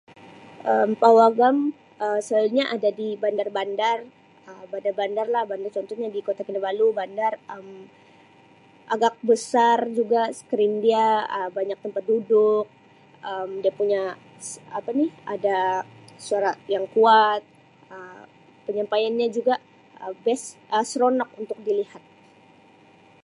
"Um Pawagam Um selalunya ada di bandar-bandar Um bandar-bandar lah bandar contohnya di Kota Kinabalu bandar Um agak besar juga ""screen"" dia Um banyak tempat duduk Um dia punya apa ni ada suara yang kuat Um penyampaian nya juga Um ""best"" Um seronok untuk dilihat. "